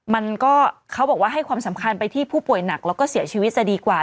มันก็เขาบอกว่าให้ความสำคัญไปที่ผู้ป่วยหนักแล้วก็เสียชีวิตจะดีกว่า